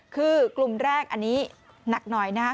คือกลุ่มแรกอันนี้หนักหน่อยนะครับ